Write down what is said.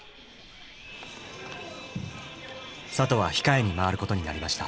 里は控えに回ることになりました。